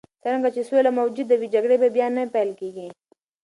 څرنګه چې سوله موجوده وي، جګړې به بیا نه پیل کېږي.